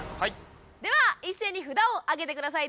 では一斉に札をあげて下さい。